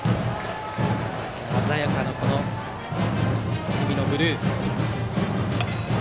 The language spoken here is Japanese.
鮮やかな氷見のブルー。